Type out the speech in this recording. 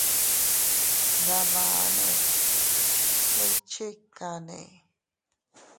Ndamane, ¿iychikanne?